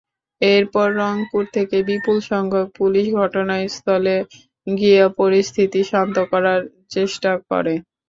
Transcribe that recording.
এরপর রংপুর থেকে বিপুলসংখ্যক পুলিশ ঘটনাস্থলে গিয়ে পরিস্থিতি শান্ত করার চেষ্টা করে।